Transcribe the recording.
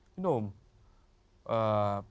พี่โหนบ